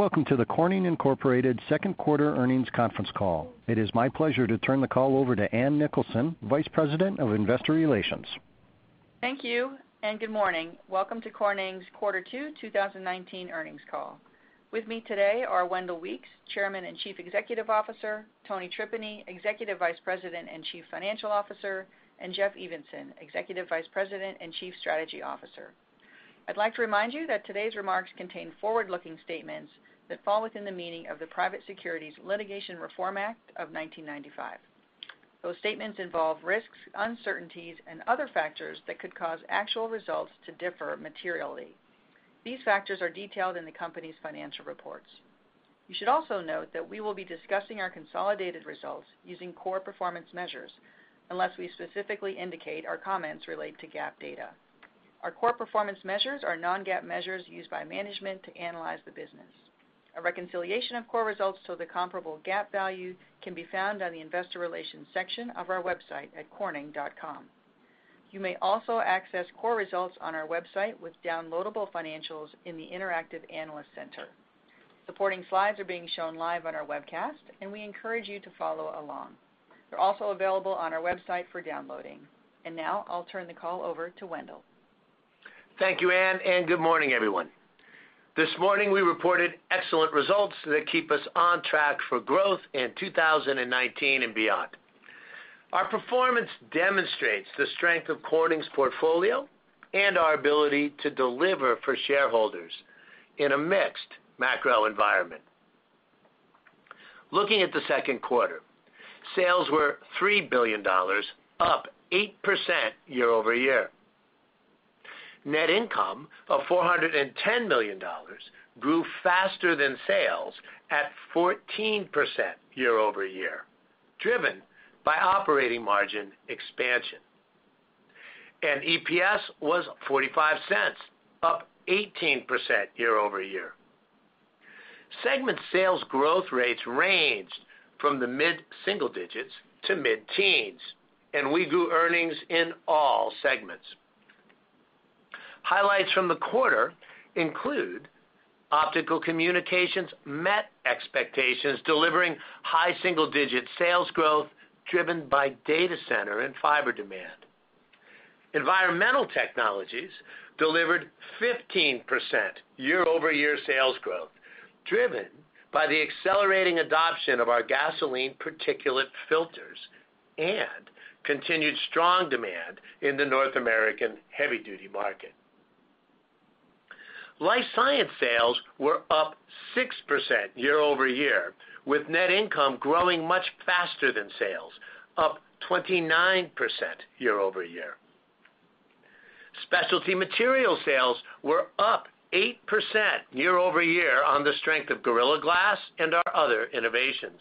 Welcome to the Corning Incorporated second quarter earnings conference call. It is my pleasure to turn the call over to Ann Nicholson, Vice President of Investor Relations. Thank you, and good morning. Welcome to Corning's quarter two 2019 earnings call. With me today are Wendell Weeks, Chairman and Chief Executive Officer, Tony Tripeny, Executive Vice President and Chief Financial Officer, and Jeff Evenson, Executive Vice President and Chief Strategy Officer. I'd like to remind you that today's remarks contain forward-looking statements that fall within the meaning of the Private Securities Litigation Reform Act of 1995. Those statements involve risks, uncertainties, and other factors that could cause actual results to differ materially. These factors are detailed in the company's financial reports. You should also note that we will be discussing our consolidated results using core performance measures, unless we specifically indicate our comments relate to GAAP data. Our core performance measures are non-GAAP measures used by management to analyze the business. A reconciliation of core results to the comparable GAAP value can be found on the Investor Relations section of our website at corning.com. You may also access core results on our website with downloadable financials in the interactive analyst center. Supporting slides are being shown live on our webcast, and we encourage you to follow along. They're also available on our website for downloading. Now I'll turn the call over to Wendell. Thank you, Ann, and good morning, everyone. This morning, we reported excellent results that keep us on track for growth in 2019 and beyond. Our performance demonstrates the strength of Corning's portfolio and our ability to deliver for shareholders in a mixed macro environment. Looking at the second quarter, sales were $3 billion, up 8% year-over-year. Net income of $410 million grew faster than sales at 14% year-over-year, driven by operating margin expansion. EPS was $0.45, up 18% year-over-year. Segment sales growth rates ranged from the mid-single digits to mid-teens, and we grew earnings in all segments. Highlights from the quarter include Optical Communications met expectations, delivering high single-digit sales growth driven by data center and fiber demand. Environmental Technologies delivered 15% year-over-year sales growth, driven by the accelerating adoption of our gasoline particulate filters and continued strong demand in the North American heavy-duty market. Life Sciences sales were up 6% year-over-year, with net income growing much faster than sales, up 29% year-over-year. Specialty Materials sales were up 8% year-over-year on the strength of Gorilla Glass and our other innovations.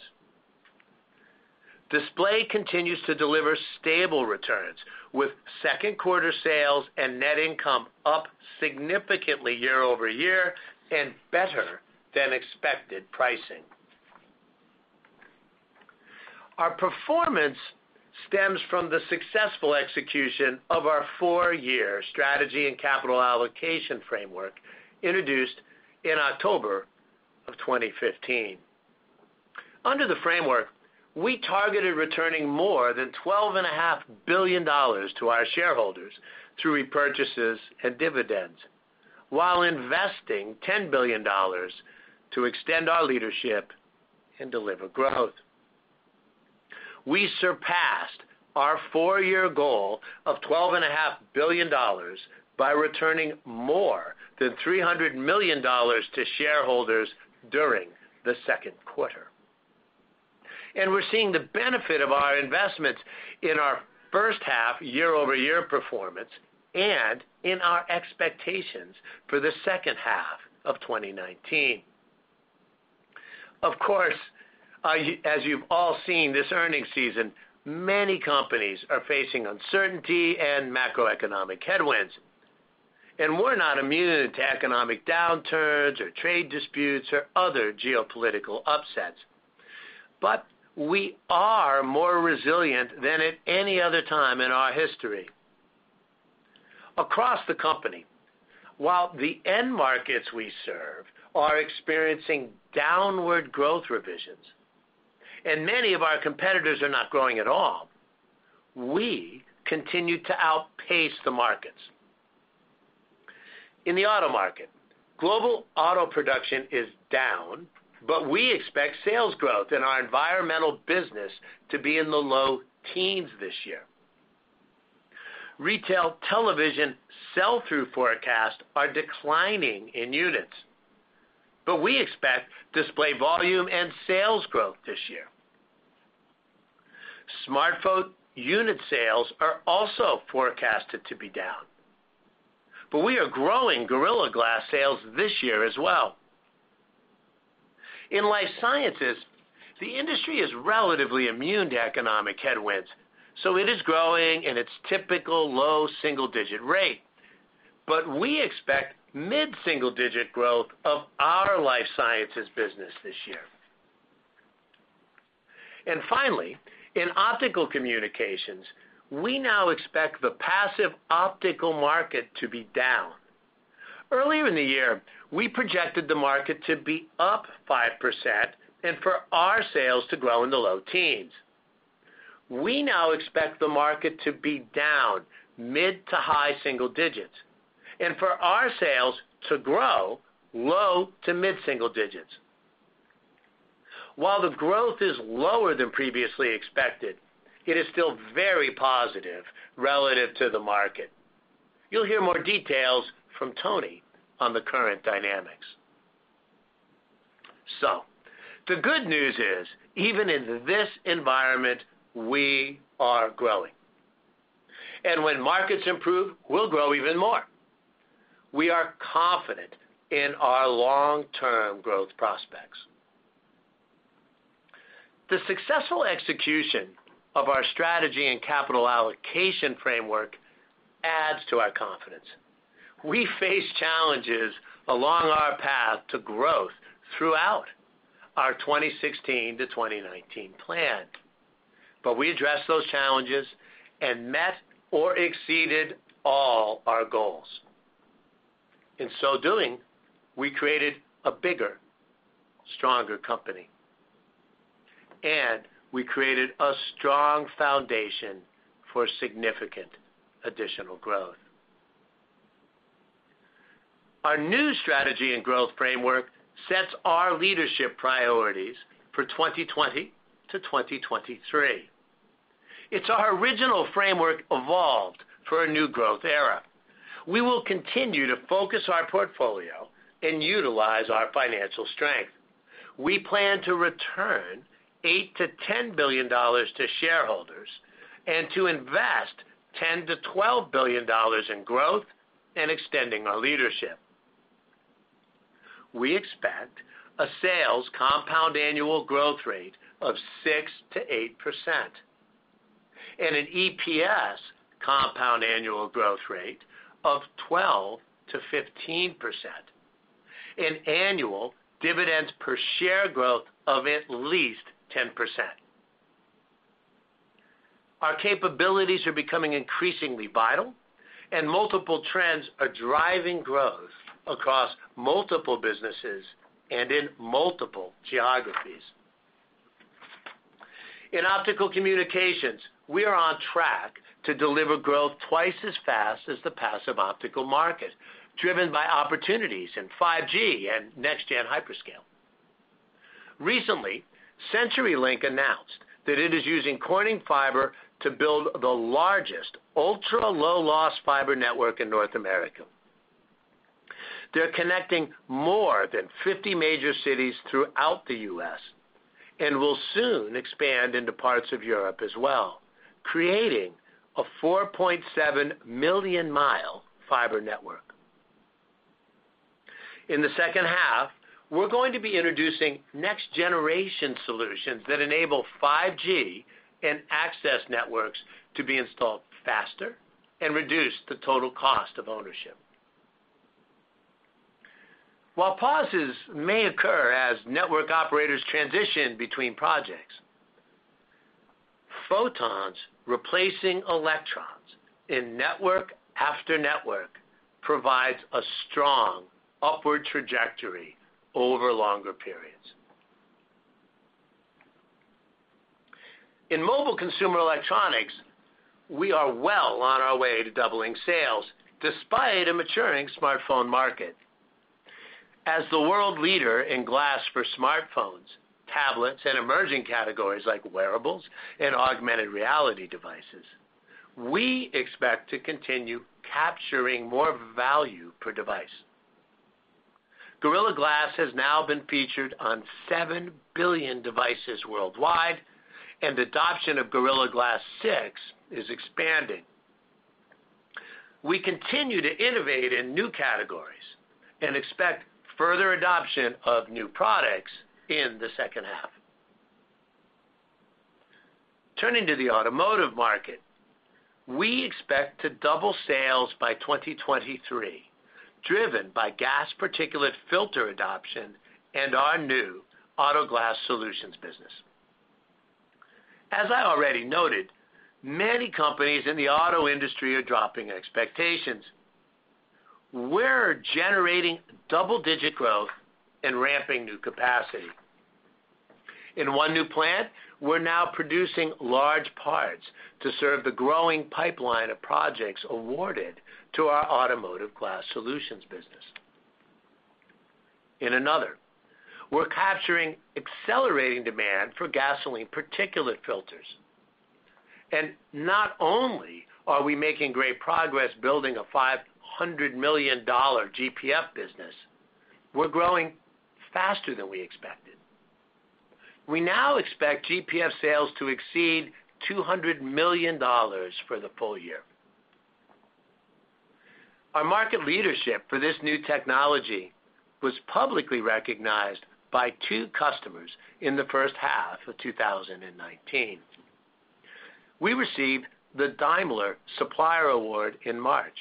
Display continues to deliver stable returns, with second quarter sales and net income up significantly year-over-year and better than expected pricing. Our performance stems from the successful execution of our four-year strategy and capital allocation framework introduced in October of 2015. Under the framework, we targeted returning more than $12.5 billion to our shareholders through repurchases and dividends while investing $10 billion to extend our leadership and deliver growth. We surpassed our four-year goal of $12.5 billion by returning more than $300 million to shareholders during the second quarter. We're seeing the benefit of our investments in our first half year-over-year performance and in our expectations for the second half of 2019. Of course, as you've all seen this earnings season, many companies are facing uncertainty and macroeconomic headwinds. We're not immune to economic downturns or trade disputes or other geopolitical upsets. We are more resilient than at any other time in our history. Across the company, while the end markets we serve are experiencing downward growth revisions, Many of our competitors are not growing at all, we continue to outpace the markets. In the auto market, global auto production is down. We expect sales growth in our Environmental Technologies business to be in the low teens this year. Retail television sell-through forecasts are declining in units, but we expect Display volume and sales growth this year. Smartphone unit sales are also forecasted to be down, but we are growing Gorilla Glass sales this year as well. In Life Sciences, the industry is relatively immune to economic headwinds, so it is growing in its typical low single-digit rate. We expect mid-single-digit growth of our Life Sciences business this year. Finally, in Optical Communications, we now expect the passive optical market to be down. Earlier in the year, we projected the market to be up 5% and for our sales to grow in the low teens. We now expect the market to be down mid-to-high single digits, and for our sales to grow low-to-mid single digits. While the growth is lower than previously expected, it is still very positive relative to the market. You'll hear more details from Tony on the current dynamics. The good news is, even in this environment, we are growing, and when markets improve, we'll grow even more. We are confident in our long-term growth prospects. The successful execution of our strategy and capital allocation framework adds to our confidence. We face challenges along our path to growth throughout our 2016 to 2019 plan, we addressed those challenges and met or exceeded all our goals. In so doing, we created a bigger, stronger company, and we created a strong foundation for significant additional growth. Our new strategy and growth framework sets our leadership priorities for 2020 to 2023. It's our original framework evolved for a new growth era. We will continue to focus our portfolio and utilize our financial strength. We plan to return $8 billion-$10 billion to shareholders and to invest $10 billion-$12 billion in growth and extending our leadership. We expect a sales compound annual growth rate of 6%-8% and an EPS compound annual growth rate of 12%-15%, an annual dividends-per-share growth of at least 10%. Our capabilities are becoming increasingly vital, multiple trends are driving growth across multiple businesses and in multiple geographies. In Optical Communications, we are on track to deliver growth twice as fast as the passive optical market, driven by opportunities in 5G and next-gen hyperscale. Recently, CenturyLink announced that it is using Corning fiber to build the largest ultra-low-loss fiber network in North America. They're connecting more than 50 major cities throughout the U.S. and will soon expand into parts of Europe as well, creating a 4.7-million-mile fiber network. In the second half, we're going to be introducing next-generation solutions that enable 5G and access networks to be installed faster and reduce the total cost of ownership. While pauses may occur as network operators transition between projects, photons replacing electrons in network after network provides a strong upward trajectory over longer periods. In mobile consumer electronics, we are well on our way to doubling sales despite a maturing smartphone market. As the world leader in glass for smartphones, tablets, and emerging categories like wearables and augmented reality devices, we expect to continue capturing more value per device. Gorilla Glass has now been featured on 7 billion devices worldwide, adoption of Gorilla Glass 6 is expanding. We continue to innovate in new categories and expect further adoption of new products in the second half. Turning to the automotive market, we expect to double sales by 2023, driven by gas particulate filter adoption and our new Automotive Glass Solutions business. As I already noted, many companies in the auto industry are dropping expectations. We're generating double-digit growth and ramping new capacity. In one new plant, we're now producing large parts to serve the growing pipeline of projects awarded to our Automotive Glass Solutions business. In another, we're capturing accelerating demand for gasoline particulate filters. Not only are we making great progress building a $500 million GPF business, we're growing faster than we expected. We now expect GPF sales to exceed $200 million for the full year. Our market leadership for this new technology was publicly recognized by two customers in the first half of 2019. We received the Daimler Supplier Award in March,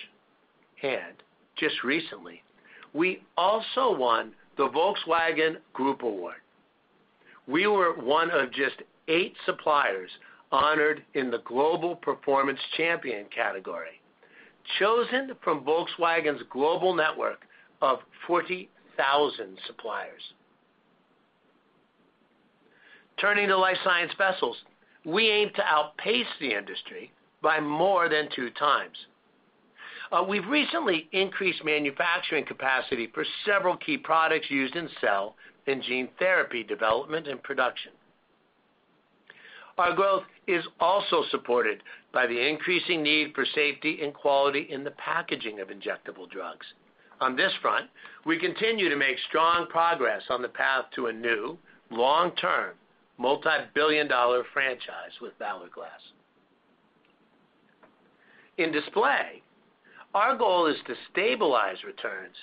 and just recently, we also won the Volkswagen Group Award. We were one of just eight suppliers honored in the Global Performance Champion category, chosen from Volkswagen's global network of 40,000 suppliers. Turning to life science vessels, we aim to outpace the industry by more than two times. We've recently increased manufacturing capacity for several key products used in cell and gene therapy development and production. Our growth is also supported by the increasing need for safety and quality in the packaging of injectable drugs. On this front, we continue to make strong progress on the path to a new long-term, $ multi-billion franchise with Valor Glass. In Display, our goal is to stabilize returns,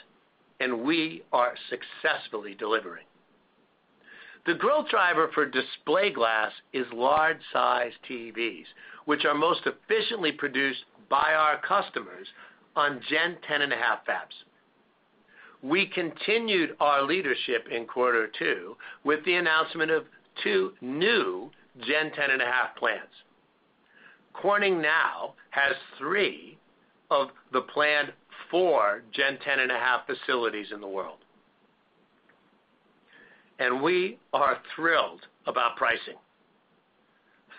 and we are successfully delivering. The growth driver for display glass is large-size TVs, which are most efficiently produced by our customers on Gen 10.5 fabs. We continued our leadership in Q2 with the announcement of two new Gen 10.5 plants. Corning now has three of the planned four Gen 10.5 facilities in the world. We are thrilled about pricing.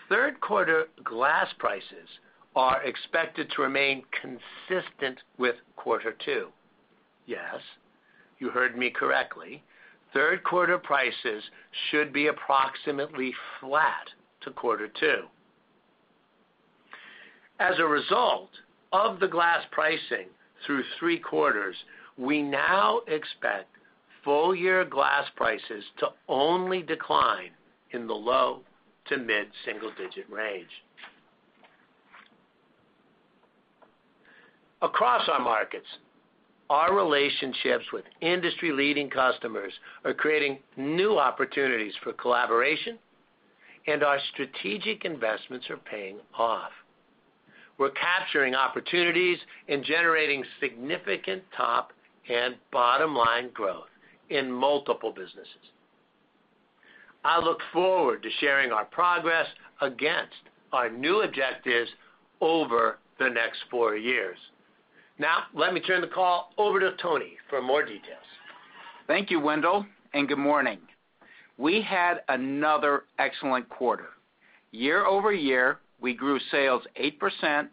Third quarter glass prices are expected to remain consistent with quarter two. Yes, you heard me correctly. Third quarter prices should be approximately flat to quarter two. As a result of the glass pricing through three quarters, we now expect full-year glass prices to only decline in the low to mid-single-digit range. Across our markets, our relationships with industry-leading customers are creating new opportunities for collaboration, and our strategic investments are paying off. We're capturing opportunities and generating significant top and bottom-line growth in multiple businesses. I look forward to sharing our progress against our new objectives over the next four years. Now, let me turn the call over to Tony for more details. Thank you, Wendell. Good morning. We had another excellent quarter. Year-over-year, we grew sales 8%,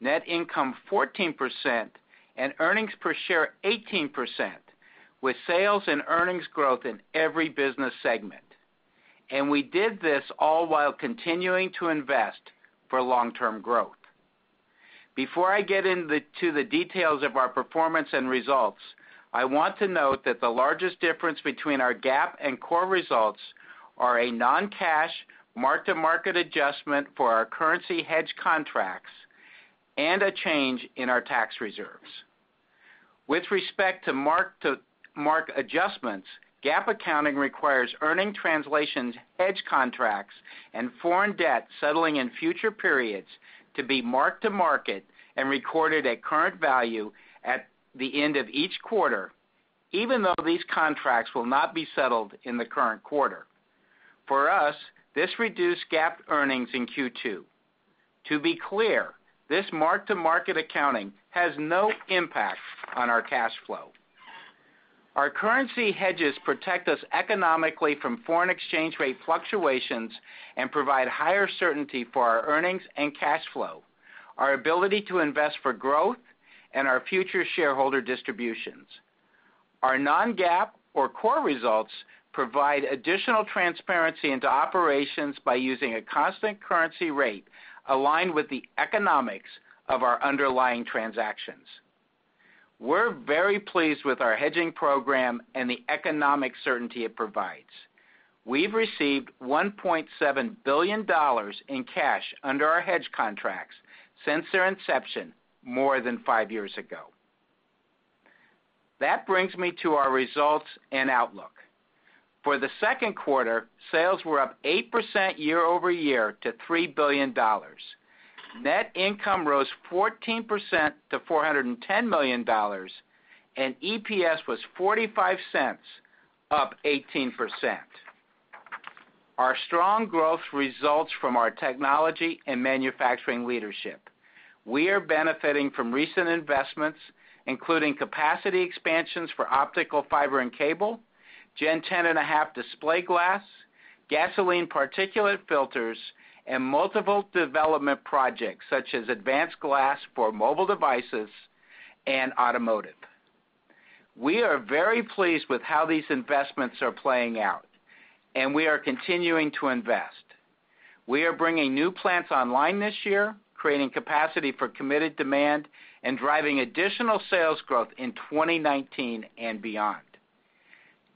net income 14%, and earnings per share 18%, with sales and earnings growth in every business segment. We did this all while continuing to invest for long-term growth. Before I get into the details of our performance and results, I want to note that the largest difference between our GAAP and core results are a non-cash mark-to-market adjustment for our currency hedge contracts and a change in our tax reserves. With respect to mark-to-market adjustments, GAAP accounting requires earnings translation hedge contracts and foreign debt settling in future periods to be mark-to-market and recorded at current value at the end of each quarter, even though these contracts will not be settled in the current quarter. For us, this reduced GAAP earnings in Q2. To be clear, this mark-to-market accounting has no impact on our cash flow. Our currency hedges protect us economically from foreign exchange rate fluctuations and provide higher certainty for our earnings and cash flow, our ability to invest for growth, and our future shareholder distributions. Our non-GAAP or core results provide additional transparency into operations by using a constant currency rate aligned with the economics of our underlying transactions. We're very pleased with our hedging program and the economic certainty it provides. We've received $1.7 billion in cash under our hedge contracts since their inception more than five years ago. That brings me to our results and outlook. For the second quarter, sales were up 8% year-over-year to $3 billion. Net income rose 14% to $410 million, and EPS was $0.45, up 18%. Our strong growth results from our technology and manufacturing leadership. We are benefiting from recent investments, including capacity expansions for optical fiber and cable, Gen 10.5 Display glass, gasoline particulate filters, and multiple development projects such as advanced glass for mobile devices and automotive. We are very pleased with how these investments are playing out, and we are continuing to invest. We are bringing new plants online this year, creating capacity for committed demand, and driving additional sales growth in 2019 and beyond.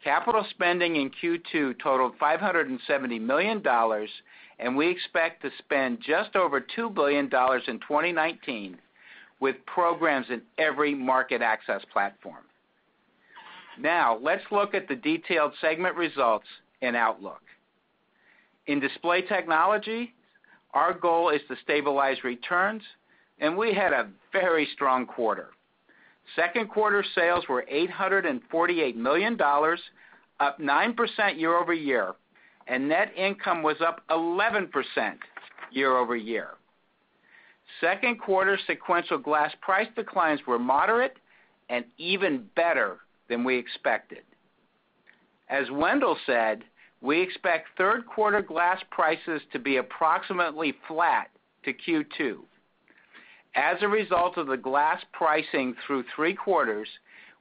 Capital spending in Q2 totaled $570 million, and we expect to spend just over $2 billion in 2019 with programs in every market access platform. Let's look at the detailed segment results and outlook. In Display, our goal is to stabilize returns, and we had a very strong quarter. Second quarter sales were $848 million, up 9% year-over-year, and net income was up 11% year-over-year. Second quarter sequential glass price declines were moderate and even better than we expected. As Wendell said, we expect third quarter glass prices to be approximately flat to Q2. As a result of the glass pricing through three quarters,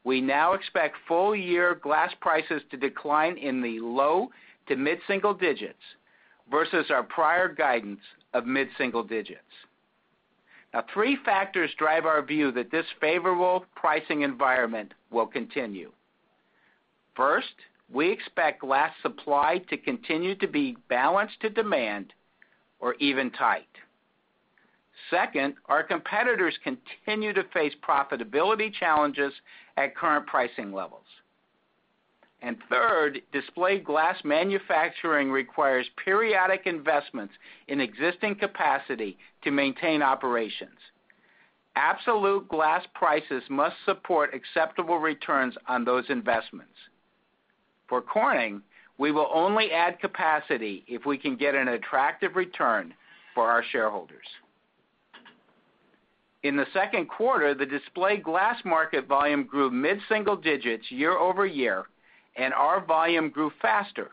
we now expect full-year glass prices to decline in the low to mid-single digits versus our prior guidance of mid-single digits. Now, three factors drive our view that this favorable pricing environment will continue. First, we expect glass supply to continue to be balanced to demand or even tight. Second, our competitors continue to face profitability challenges at current pricing levels. Third, display glass manufacturing requires periodic investments in existing capacity to maintain operations. Absolute glass prices must support acceptable returns on those investments. For Corning, we will only add capacity if we can get an attractive return for our shareholders. In the second quarter, the display glass market volume grew mid-single digits year-over-year, and our volume grew faster,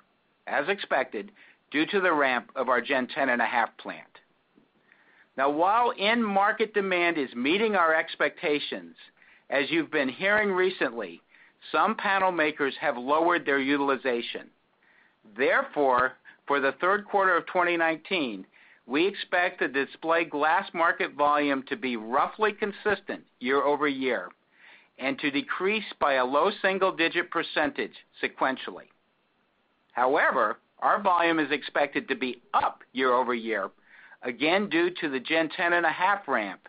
as expected, due to the ramp of our Gen 10.5 plant. While end market demand is meeting our expectations, as you've been hearing recently, some panel makers have lowered their utilization. For the third quarter of 2019, we expect the display glass market volume to be roughly consistent year-over-year and to decrease by a low single-digit percentage sequentially. Our volume is expected to be up year-over-year, again due to the Gen 10.5 ramp,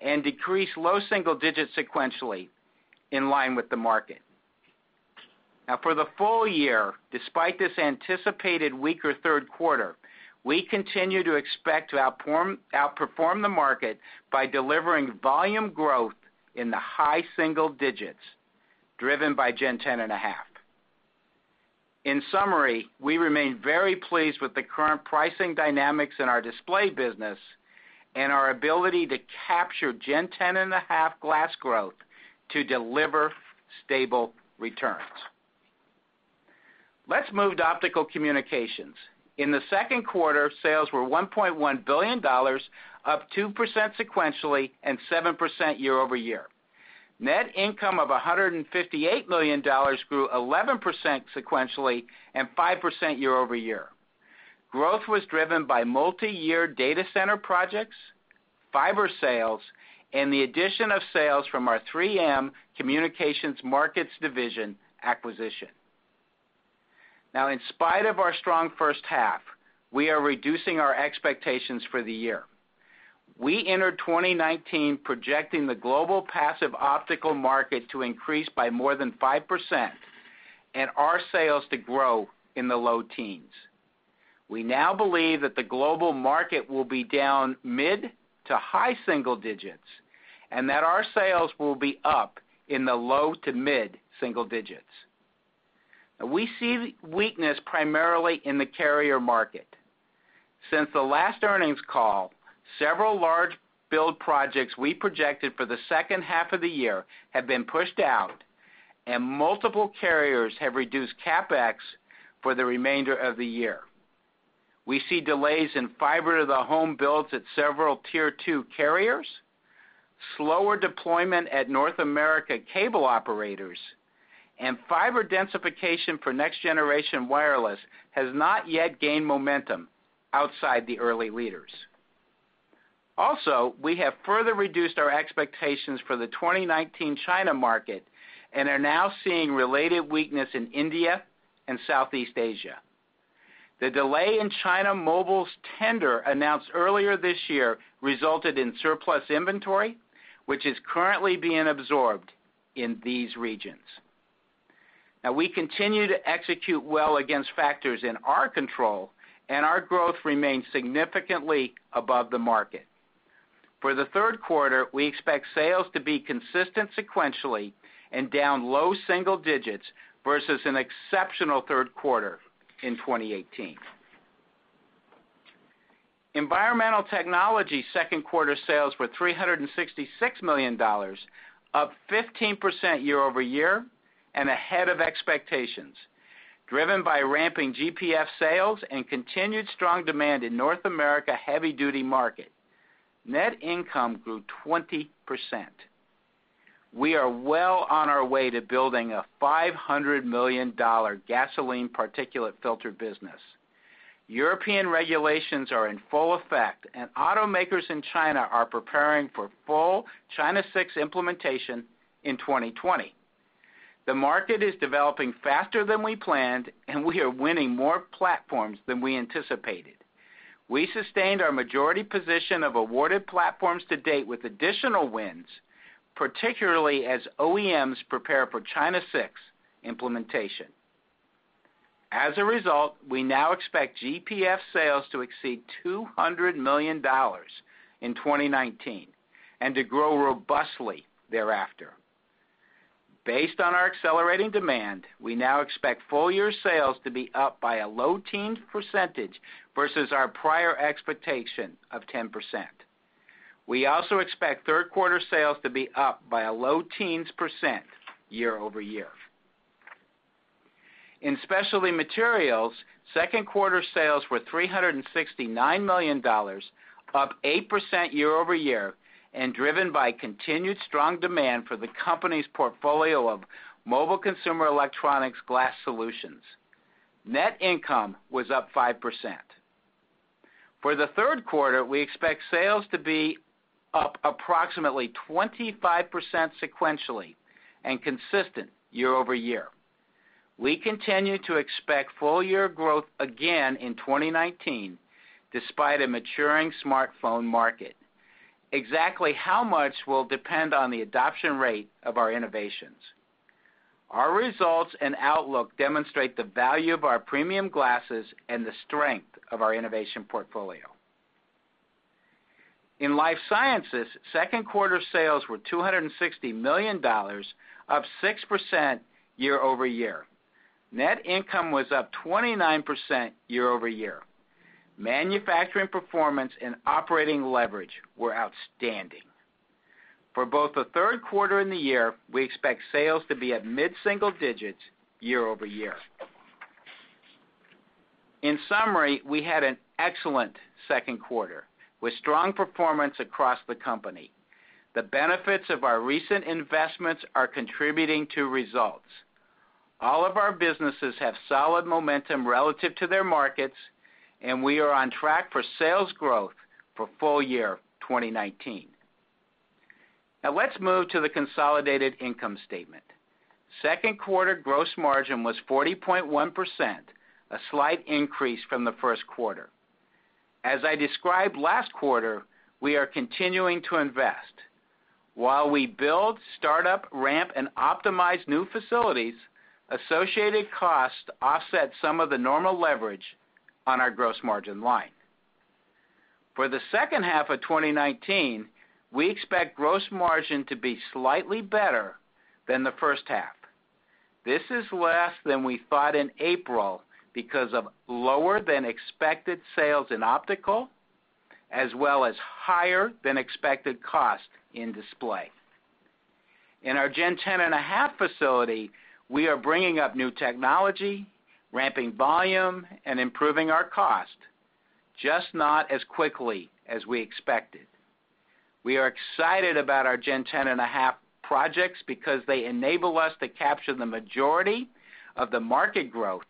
and decrease low single digit sequentially in line with the market. For the full year, despite this anticipated weaker third quarter, we continue to expect to outperform the market by delivering volume growth in the high single digits, driven by Gen 10.5. In summary, we remain very pleased with the current pricing dynamics in our Display business and our ability to capture Gen 10.5 glass growth to deliver stable returns. Let's move to Optical Communications. In the second quarter, sales were $1.1 billion, up 2% sequentially and 7% year-over-year. Net income of $158 million grew 11% sequentially and 5% year-over-year. Growth was driven by multi-year data center projects, fiber sales, and the addition of sales from our 3M Communication Markets Division acquisition. In spite of our strong first half, we are reducing our expectations for the year. We entered 2019 projecting the global passive optical market to increase by more than 5%, and our sales to grow in the low teens. We now believe that the global market will be down mid- to high-single digits, and that our sales will be up in the low- to mid-single digits. We see weakness primarily in the carrier market. Since the last earnings call, several large build projects we projected for the second half of the year have been pushed out and multiple carriers have reduced CapEx for the remainder of the year. We see delays in fiber-to-the-home builds at several Tier 2 carriers, slower deployment at North America cable operators, and fiber densification for next-generation wireless has not yet gained momentum outside the early leaders. We have further reduced our expectations for the 2019 China market and are now seeing related weakness in India and Southeast Asia. The delay in China Mobile's tender announced earlier this year resulted in surplus inventory, which is currently being absorbed in these regions. We continue to execute well against factors in our control, and our growth remains significantly above the market. For the third quarter, we expect sales to be consistent sequentially and down low single digits versus an exceptional third quarter in 2018. Environmental Technologies second quarter sales were $366 million, up 15% year-over-year and ahead of expectations, driven by ramping GPF sales and continued strong demand in North America heavy-duty market. Net income grew 20%. We are well on our way to building a $500 million gasoline particulate filter business. European regulations are in full effect, and automakers in China are preparing for full China 6 implementation in 2020. The market is developing faster than we planned, and we are winning more platforms than we anticipated. We sustained our majority position of awarded platforms to date with additional wins, particularly as OEMs prepare for China 6 implementation. As a result, we now expect GPF sales to exceed $200 million in 2019 and to grow robustly thereafter. Based on our accelerating demand, we now expect full-year sales to be up by a low teens % versus our prior expectation of 10%. We also expect third quarter sales to be up by a low teens % year-over-year. In Specialty Materials, second quarter sales were $369 million, up 8% year-over-year, and driven by continued strong demand for the company's portfolio of mobile consumer electronics glass solutions. Net income was up 5%. For the third quarter, we expect sales to be up approximately 25% sequentially and consistent year-over-year. We continue to expect full-year growth again in 2019, despite a maturing smartphone market. Exactly how much will depend on the adoption rate of our innovations. Our results and outlook demonstrate the value of our premium glasses and the strength of our innovation portfolio. In Life Sciences, second quarter sales were $260 million, up 6% year-over-year. Net income was up 29% year-over-year. Manufacturing performance and operating leverage were outstanding. For both the third quarter and the year, we expect sales to be at mid-single digits year-over-year. In summary, we had an excellent second quarter, with strong performance across the company. The benefits of our recent investments are contributing to results. All of our businesses have solid momentum relative to their markets, and we are on track for sales growth for full year 2019. Now let's move to the consolidated income statement. Second quarter gross margin was 40.1%, a slight increase from the first quarter. As I described last quarter, we are continuing to invest. While we build, start up, ramp, and optimize new facilities, associated costs offset some of the normal leverage on our gross margin line. For the second half of 2019, we expect gross margin to be slightly better than the first half. This is less than we thought in April because of lower than expected sales in Optical, as well as higher than expected cost in Display. In our Gen 10.5 facility, we are bringing up new technology, ramping volume, and improving our cost, just not as quickly as we expected. We are excited about our Gen 10.5 projects because they enable us to capture the majority of the market growth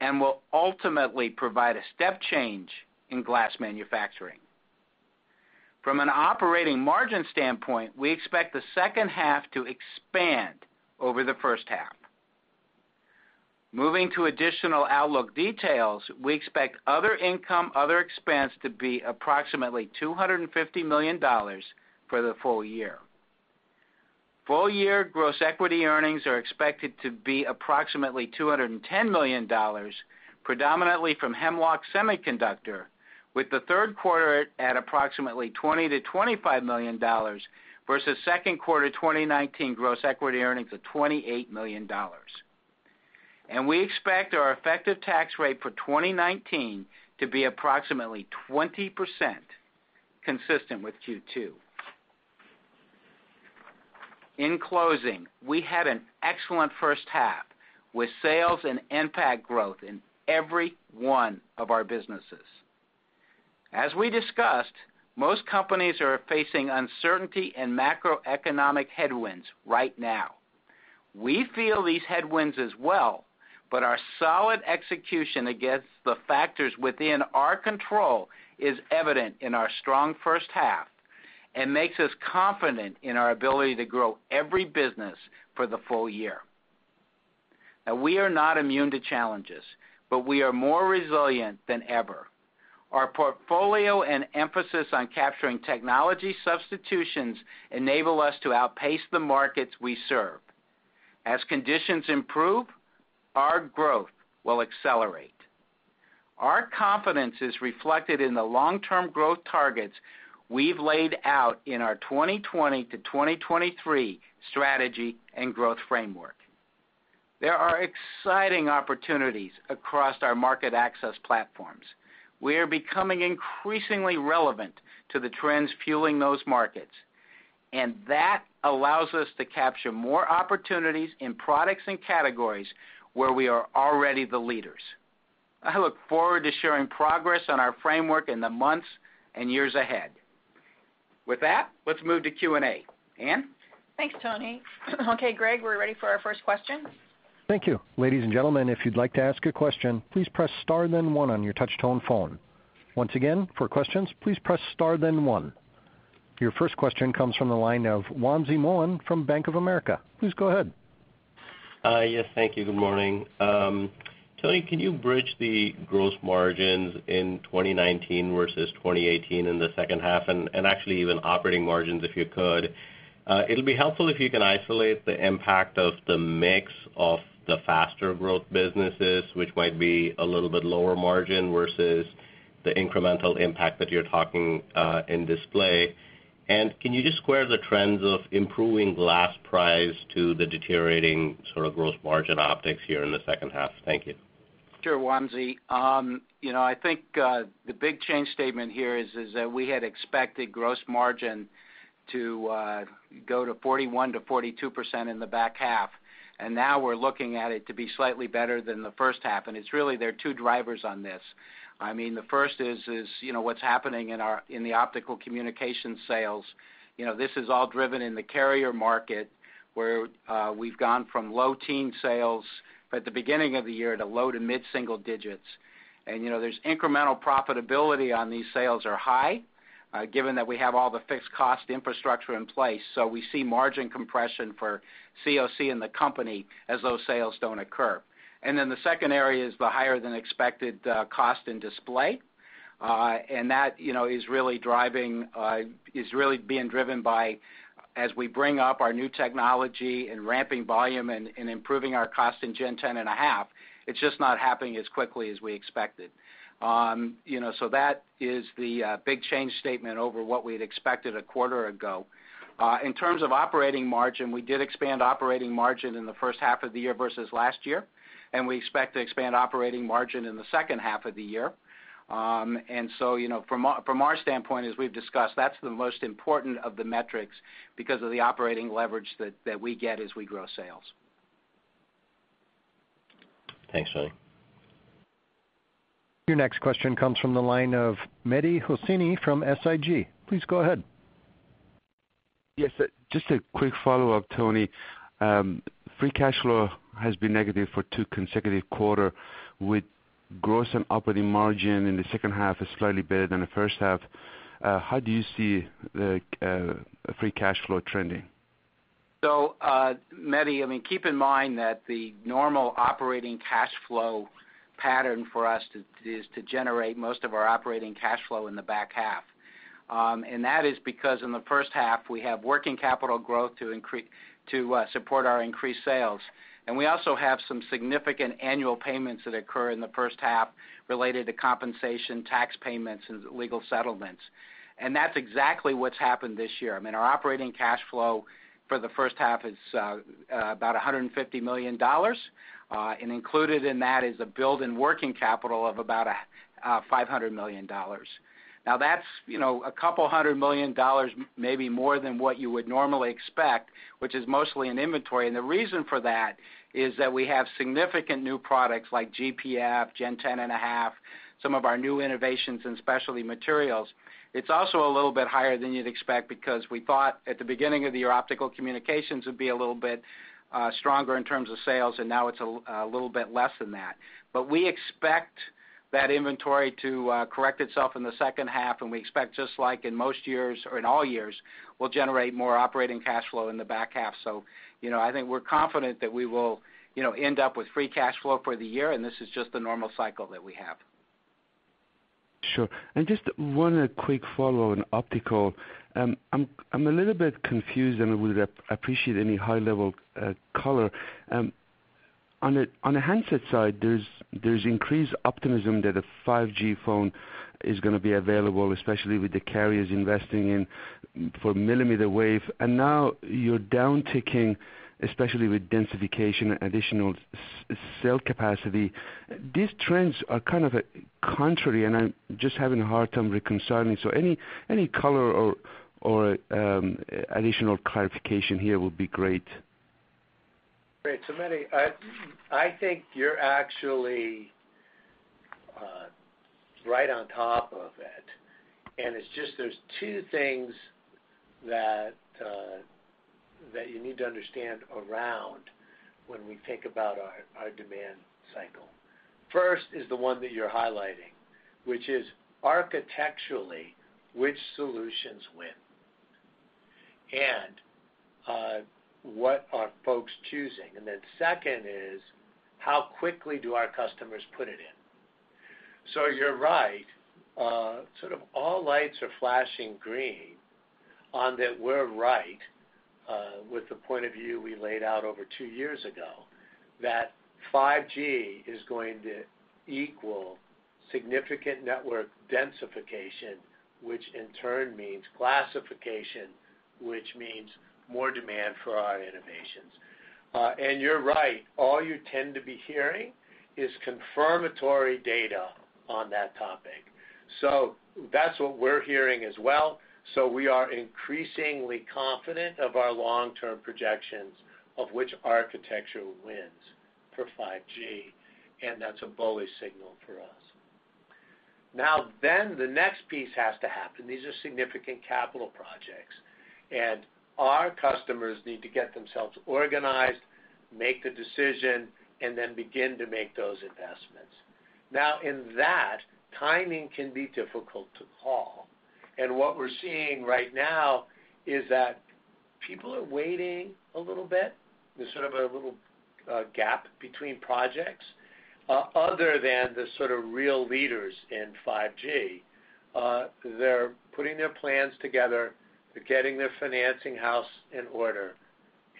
and will ultimately provide a step change in glass manufacturing. From an operating margin standpoint, we expect the second half to expand over the first half. Moving to additional outlook details, we expect other income, other expense to be approximately $250 million for the full year. Full year gross equity earnings are expected to be approximately $210 million, predominantly from Hemlock Semiconductor, with the third quarter at approximately $20 million-$25 million versus second quarter 2019 gross equity earnings of $28 million. We expect our effective tax rate for 2019 to be approximately 20%, consistent with Q2. In closing, we had an excellent first half, with sales and NPAT growth in every one of our businesses. As we discussed, most companies are facing uncertainty and macroeconomic headwinds right now. We feel these headwinds as well, but our solid execution against the factors within our control is evident in our strong first half and makes us confident in our ability to grow every business for the full year. We are not immune to challenges, but we are more resilient than ever. Our portfolio and emphasis on capturing technology substitutions enable us to outpace the markets we serve. As conditions improve, our growth will accelerate. Our confidence is reflected in the long-term growth targets we've laid out in our 2020 to 2023 strategy and growth framework. There are exciting opportunities across our market access platforms. That allows us to capture more opportunities in products and categories where we are already the leaders. I look forward to sharing progress on our framework in the months and years ahead. With that, let's move to Q&A. Ann? Thanks, Tony. Okay, Greg, we're ready for our first question. Thank you. Ladies and gentlemen, if you'd like to ask a question, please press star then one on your touch-tone phone. Once again, for questions, please press star then one. Your first question comes from the line of Wamsi Mohan from Bank of America. Please go ahead. Yes, thank you. Good morning. Tony, can you bridge the gross margins in 2019 versus 2018 in the second half and actually even operating margins, if you could? It'll be helpful if you can isolate the impact of the mix of the faster growth businesses, which might be a little bit lower margin versus the incremental impact that you're talking in Display. Can you just square the trends of improving glass price to the deteriorating sort of gross margin optics here in the second half? Thank you. Sure, Wamsi. I think, the big change statement here is that we had expected gross margin to go to 41%-42% in the back half. Now we're looking at it to be slightly better than the first half. It's really, there are two drivers on this. I mean, the first is what's happening in the Optical Communications sales. This is all driven in the carrier market, where we've gone from low-teen sales at the beginning of the year to low-to-mid single digits. There's incremental profitability on these sales are high, given that we have all the fixed cost infrastructure in place. We see margin compression for OC in the company as those sales don't occur. The second area is the higher than expected cost in Display. That is really being driven by, as we bring up our new technology and ramping volume and improving our cost in Gen 10.5, it's just not happening as quickly as we expected. That is the big change statement over what we'd expected a quarter ago. In terms of operating margin, we did expand operating margin in the first half of the year versus last year, and we expect to expand operating margin in the second half of the year. From our standpoint, as we've discussed, that's the most important of the metrics because of the operating leverage that we get as we grow sales. Thanks, Tony. Your next question comes from the line of Mehdi Hosseini from SIG. Please go ahead. Yes, just a quick follow-up, Tony. Free cash flow has been negative for two consecutive quarter with gross and operating margin in the second half is slightly better than the first half. How do you see the free cash flow trending? Mehdi, I mean, keep in mind that the normal operating cash flow pattern for us is to generate most of our operating cash flow in the back half. That is because in the first half, we have working capital growth to support our increased sales. We also have some significant annual payments that occur in the first half related to compensation tax payments and legal settlements. That's exactly what's happened this year. I mean, our operating cash flow for the first half is about $150 million. Included in that is a build in working capital of about $500 million. That's a couple of hundred million dollars, maybe more than what you would normally expect, which is mostly in inventory. The reason for that is that we have significant new products like GPF, Gen 10.5, some of our new innovations in Specialty Materials. It's also a little bit higher than you'd expect because we thought at the beginning of the year, Optical Communications would be a little bit stronger in terms of sales, and now it's a little bit less than that. We expect that inventory to correct itself in the second half, and we expect, just like in most years or in all years, we'll generate more operating cash flow in the back half. I think we're confident that we will end up with free cash flow for the year, and this is just the normal cycle that we have. Sure. Just one quick follow on optical. I'm a little bit confused, and I would appreciate any high-level color. On the handset side, there's increased optimism that a 5G phone is going to be available, especially with the carriers investing in for millimeter wave. Now you're downticking, especially with densification and additional cell capacity. These trends are kind of contrary, and I'm just having a hard time reconciling. Any color or additional clarification here would be great. Great. Mehdi, I think you're actually right on top of it, and it's just there's two things that you need to understand around when we think about our demand cycle. First is the one that you're highlighting, which is architecturally, which solutions win? What are folks choosing? Second is, how quickly do our customers put it in? You're right. Sort of all lights are flashing green on that we're right with the point of view we laid out over two years ago, that 5G is going to equal significant network densification, which in turn means glassification, which means more demand for our innovations. You're right, all you tend to be hearing is confirmatory data on that topic. That's what we're hearing as well. We are increasingly confident of our long-term projections of which architecture wins for 5G, and that's a bullish signal for us. Now, the next piece has to happen. These are significant capital projects, and our customers need to get themselves organized, make the decision, and then begin to make those investments. Now in that, timing can be difficult to call. What we're seeing right now is that people are waiting a little bit. There's sort of a little gap between projects other than the sort of real leaders in 5G. They're putting their plans together. They're getting their financing house in order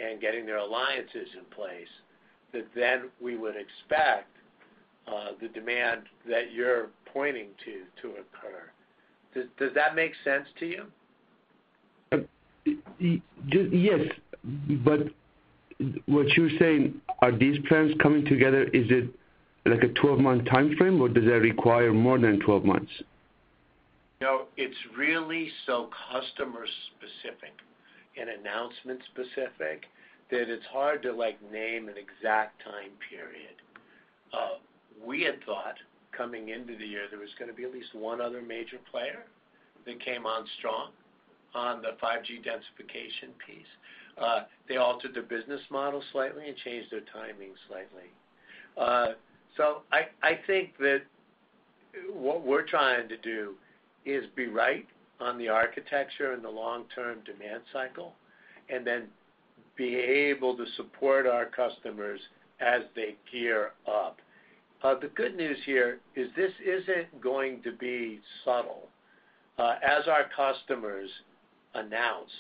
and getting their alliances in place that then we would expect the demand that you're pointing to occur. Does that make sense to you? Yes. What you're saying, are these plans coming together, is it like a 12-month timeframe, or does that require more than 12 months? No, it's really so customer specific and announcement specific that it's hard to name an exact time period. We had thought coming into the year there was going to be at least one other major player that came on strong on the 5G densification piece. They altered their business model slightly and changed their timing slightly. I think that what we're trying to do is be right on the architecture and the long-term demand cycle, and then be able to support our customers as they gear up. The good news here is this isn't going to be subtle. As our customers announce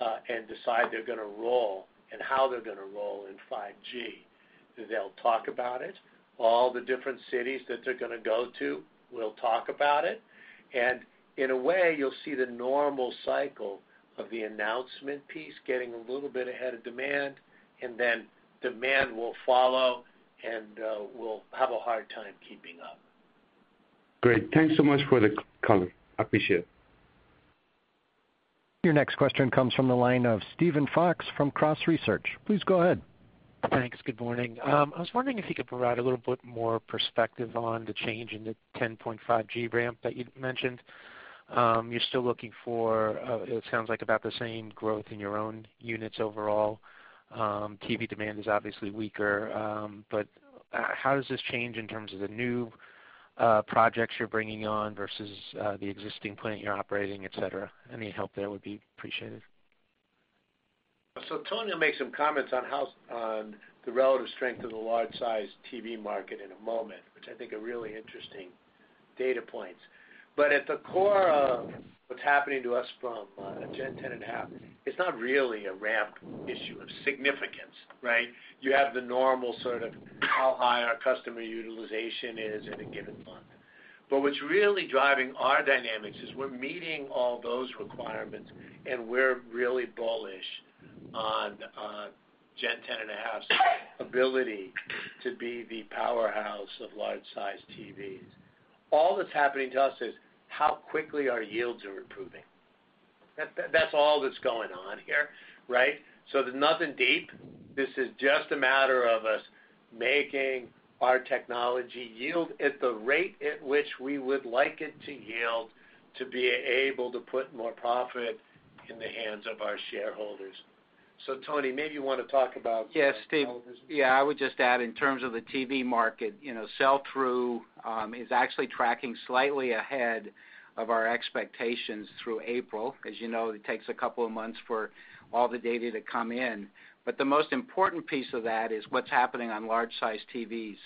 and decide they're going to roll and how they're going to roll in 5G, they'll talk about it. All the different cities that they're going to go to will talk about it, and in a way, you'll see the normal cycle of the announcement piece getting a little bit ahead of demand, and then demand will follow, and we'll have a hard time keeping up. Great. Thanks so much for the color. I appreciate it. Your next question comes from the line of Steven Fox from Cross Research. Please go ahead. Thanks. Good morning. I was wondering if you could provide a little bit more perspective on the change in the 10.5G ramp that you'd mentioned. You're still looking for, it sounds like, about the same growth in your own units overall. TV demand is obviously weaker. How does this change in terms of the new projects you're bringing on versus the existing plant you're operating, et cetera? Any help there would be appreciated. Tony will make some comments on the relative strength of the large-size TV market in a moment, which I think are really interesting data points. At the core of what's happening to us from a Gen 10.5, it's not really a ramp issue of significance, right? You have the normal sort of how high our customer utilization is in a given month. What's really driving our dynamics is we're meeting all those requirements, and we're really bullish on Gen 10.5's ability to be the powerhouse of large-size TVs. All that's happening to us is how quickly our yields are improving. That's all that's going on here, right? There's nothing deep. This is just a matter of us making our technology yield at the rate at which we would like it to yield to be able to put more profit in the hands of our shareholders. Tony, maybe you want to talk about. Yes, Stevenn. Yeah, I would just add in terms of the TV market, sell-through is actually tracking slightly ahead of our expectations through April. As you know, it takes a couple of months for all the data to come in. The most important piece of that is what's happening on large-size TVs.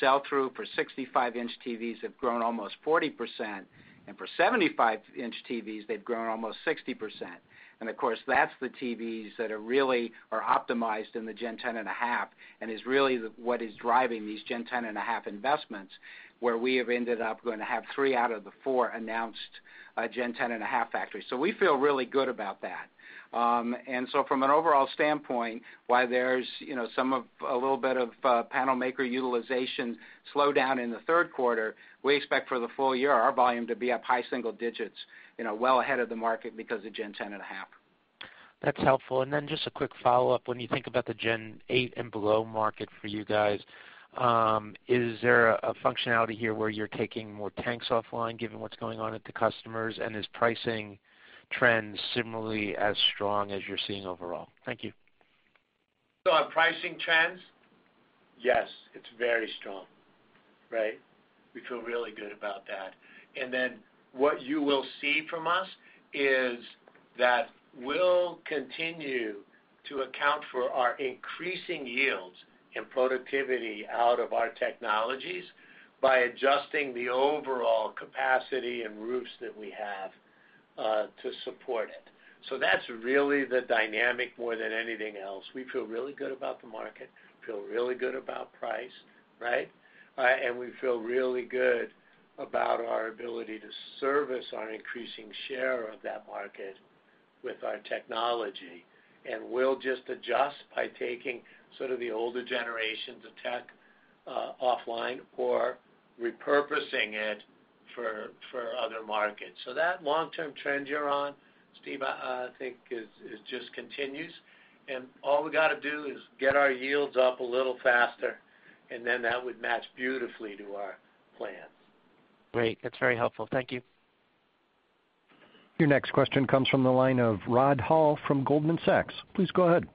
Sell-through for 65-inch TVs have grown almost 40%, and for 75-inch TVs, they've grown almost 60%. Of course, that's the TVs that are really optimized in the Gen 10.5, and is really what is driving these Gen 10.5 investments, where we have ended up going to have three out of the four announced Gen 10.5 factories. We feel really good about that. From an overall standpoint, while there's a little bit of panel maker utilization slowdown in the third quarter, we expect for the full year our volume to be up high single digits well ahead of the market because of Gen 10.5. That's helpful. Just a quick follow-up. When you think about the Gen 8 and below market for you guys, is there a functionality here where you're taking more tanks offline given what's going on at the customers? Is pricing trends similarly as strong as you're seeing overall? Thank you. On pricing trends, yes, it's very strong, right? We feel really good about that. What you will see from us is that we'll continue to account for our increasing yields and productivity out of our technologies by adjusting the overall capacity and roofs that we have to support it. That's really the dynamic more than anything else. We feel really good about the market, feel really good about price, right? We feel really good about our ability to service our increasing share of that market with our technology. We'll just adjust by taking sort of the older generations of tech offline or repurposing it for other markets. That long-term trend you're on, Stevenn, I think it just continues, and all we got to do is get our yields up a little faster, and then that would match beautifully to our plans. Great. That's very helpful. Thank you. Your next question comes from the line of Rod Hall from Goldman Sachs. Please go ahead.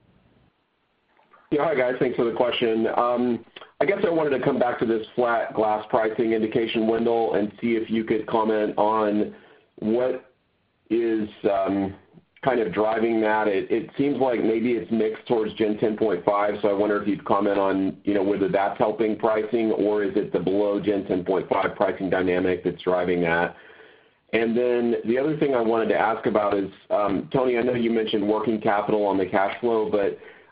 Hi, guys. Thanks for the question. I guess I wanted to come back to this flat glass pricing indication, Wendell, and see if you could comment on what is kind of driving that. It seems like maybe it's mixed towards Gen 10.5. I wonder if you'd comment on whether that's helping pricing or is it the below Gen 10.5 pricing dynamic that's driving that. The other thing I wanted to ask about is, Tony, I know you mentioned working capital on the cash flow.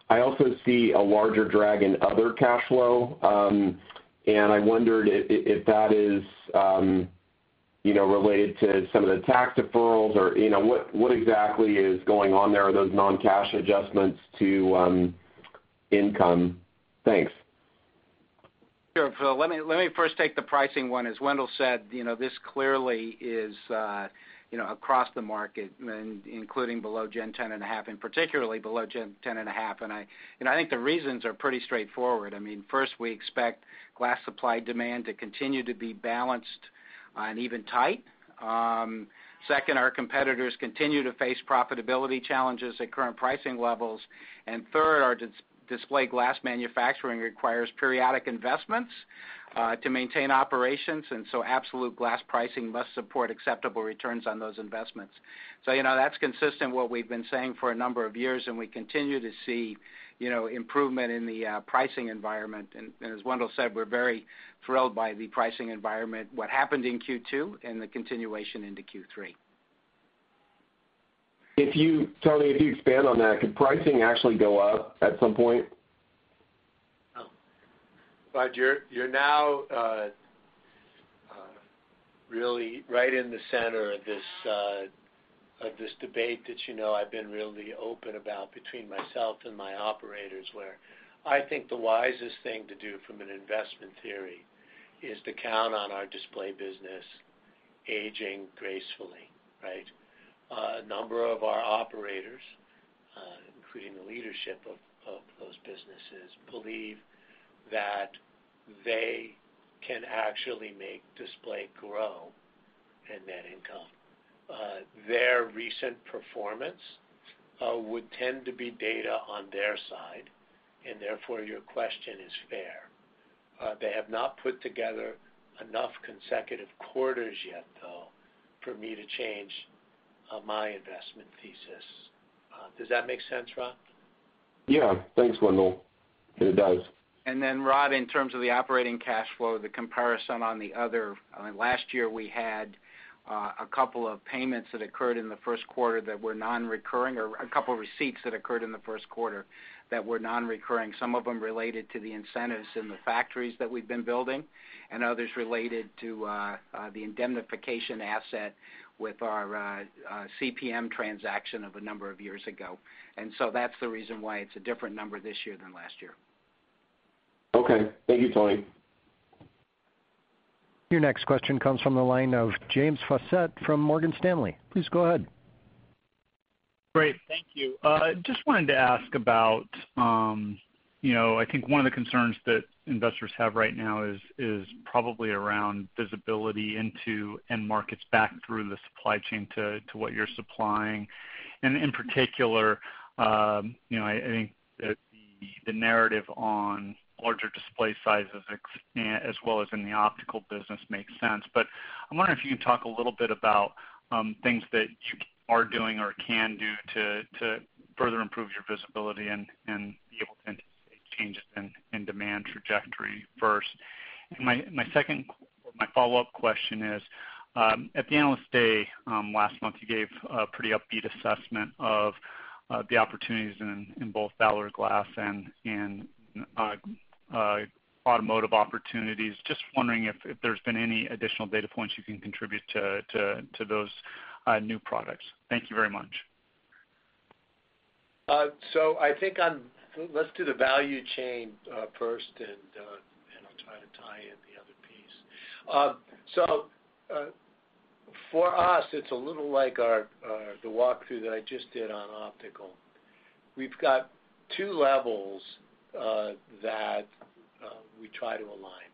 I also see a larger drag in other cash flow. I wondered if that is related to some of the tax deferrals or what exactly is going on there, are those non-cash adjustments to income? Thanks. Sure. Let me first take the pricing one. As Wendell said, this clearly is across the market and including below Gen 10.5 and particularly below Gen 10.5. I think the reasons are pretty straightforward. First, we expect glass supply demand to continue to be balanced and even tight. Second, our competitors continue to face profitability challenges at current pricing levels. Third, our display glass manufacturing requires periodic investments to maintain operations, so absolute glass pricing must support acceptable returns on those investments. That's consistent what we've been saying for a number of years, and we continue to see improvement in the pricing environment. As Wendell said, we're very thrilled by the pricing environment, what happened in Q2 and the continuation into Q3. Tony, if you expand on that, could pricing actually go up at some point? Rod, you're now really right in the center of this debate that you know I've been really open about between myself and my operators, where I think the wisest thing to do from an investment theory is to count on our Display business aging gracefully, right? A number of our operators, including the leadership of those businesses, believe that they can actually make Display grow and net income. Therefore, your question is fair. They have not put together enough consecutive quarters yet, though, for me to change my investment thesis. Does that make sense, Rod? Yeah. Thanks, Wendell. It does. Rod, in terms of the operating cash flow, the comparison on the other, last year we had a couple of payments that occurred in the first quarter that were non-recurring, or a couple receipts that occurred in the first quarter that were non-recurring. Some of them related to the incentives in the factories that we've been building, and others related to the indemnification asset with our CPM transaction of a number of years ago. That's the reason why it's a different number this year than last year. Okay. Thank you, Tony. Your next question comes from the line of James Faucette from Morgan Stanley. Please go ahead. Great. Thank you. Just wanted to ask about, I think one of the concerns that investors have right now is probably around visibility into end markets back through the supply chain to what you're supplying. In particular, I think the narrative on larger display sizes as well as in the optical business makes sense. I'm wondering if you can talk a little bit about things that you are doing or can do to further improve your visibility and be able to anticipate changes in demand trajectory first. My follow-up question is, at the Investor Day last month, you gave a pretty upbeat assessment of the opportunities in both Valor Glass and automotive opportunities. Just wondering if there's been any additional data points you can contribute to those new products. Thank you very much. I think let's do the value chain first, and I'll try to tie in the other piece. For us, it's a little like the walkthrough that I just did on Optical. We've got two levels that we try to align.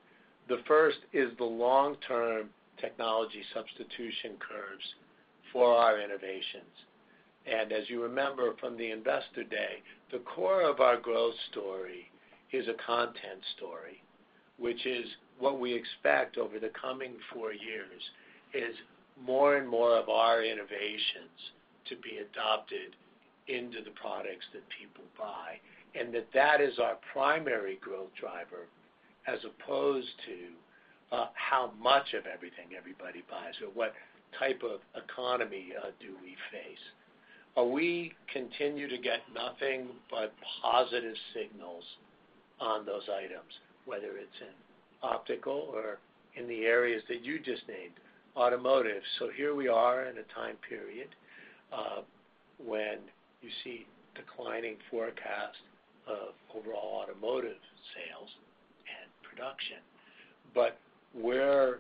The first is the long-term technology substitution curves for our innovations. As you remember from the Investor Day, the core of our growth story is a content story, which is what we expect over the coming four years is more and more of our innovations to be adopted into the products that people buy, and that is our primary growth driver as opposed to how much of everything everybody buys or what type of economy do we face. We continue to get nothing but positive signals on those items, whether it's in Optical or in the areas that you just named, automotive. Here we are in a time period, when you see declining forecast of overall automotive sales and production. We're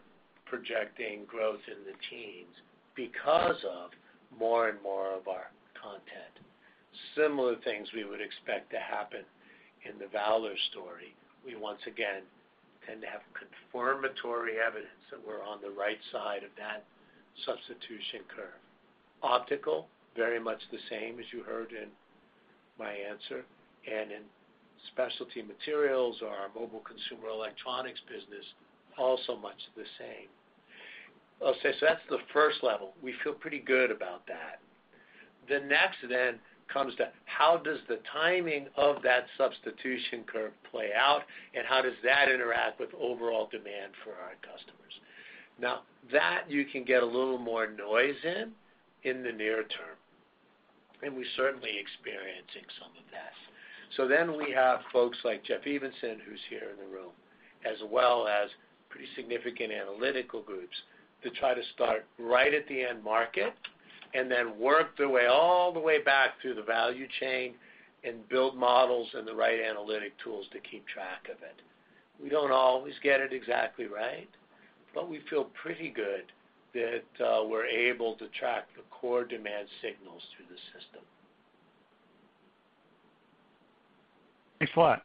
projecting growth in the teens because of more and more of our. Similar things we would expect to happen in the Valor story. We once again tend to have confirmatory evidence that we're on the right side of that substitution curve. Optical, very much the same as you heard in my answer, and in Specialty Materials or our mobile consumer electronics business, also much the same. I'll say, that's the first level. We feel pretty good about that. The next comes to, how does the timing of that substitution curve play out, and how does that interact with overall demand for our customers? That you can get a little more noise in the near term, and we're certainly experiencing some of that. We have folks like Jeff Evenson, who's here in the room, as well as pretty significant analytical groups to try to start right at the end market and then work their way all the way back through the value chain and build models and the right analytic tools to keep track of it. We don't always get it exactly right, but we feel pretty good that we're able to track the core demand signals through the system. Thanks a lot. Auto.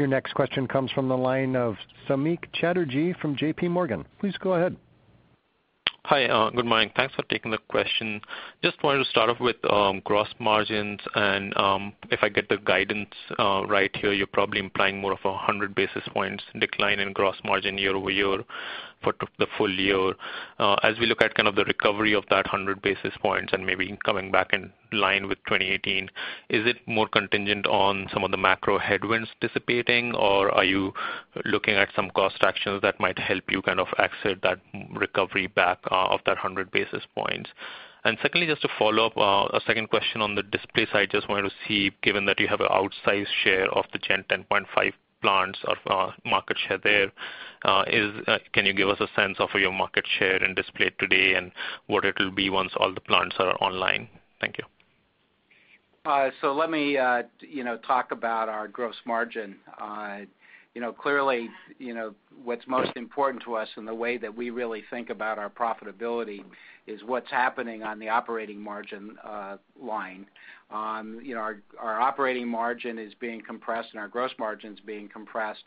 Your next question comes from the line of Samik Chatterjee from JP Morgan. Please go ahead. Hi, good morning. Thanks for taking the question. Just wanted to start off with gross margins and, if I get the guidance right here, you're probably implying more of 100 basis points decline in gross margin year-over-year for the full year. As we look at kind of the recovery of that 100 basis points and maybe coming back in line with 2018, is it more contingent on some of the macro headwinds dissipating, or are you looking at some cost actions that might help you kind of exit that recovery back of that 100 basis points? Secondly, just to follow up, a second question on the Display side. Just wanted to see, given that you have an outsized share of the Gen 10.5 plants or market share there, can you give us a sense of your market share in Display today and what it'll be once all the plants are online? Thank you. Let me talk about our gross margin. Clearly, what's most important to us and the way that we really think about our profitability is what's happening on the operating margin line. Our operating margin is being compressed and our gross margin's being compressed,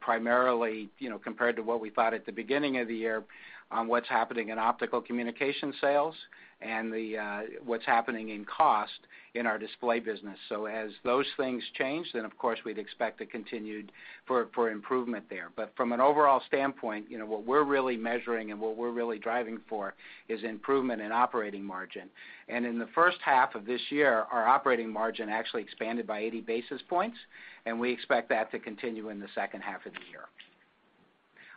primarily compared to what we thought at the beginning of the year on what's happening in Optical Communications sales and what's happening in cost in our Display business. As those things change, then of course we'd expect a continued for improvement there. From an overall standpoint, what we're really measuring and what we're really driving for is improvement in operating margin. In the first half of this year, our operating margin actually expanded by 80 basis points, and we expect that to continue in the second half of the year.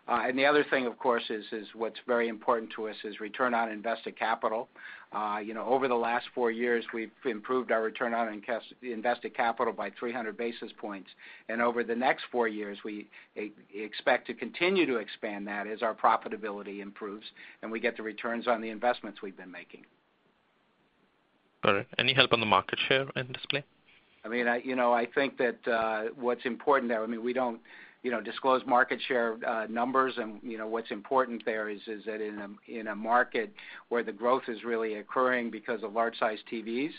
The other thing, of course, is what's very important to us is return on invested capital. Over the last four years, we've improved our return on invested capital by 300 basis points. Over the next four years, we expect to continue to expand that as our profitability improves and we get the returns on the investments we've been making. All right. Any help on the market share in Display? I think that what's important there, we don't disclose market share numbers. What's important there is that in a market where the growth is really occurring because of large-sized TVs,